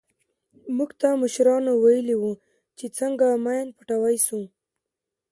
موږ ته مشرانو ويلي وو چې څنگه ماين پټاو سو.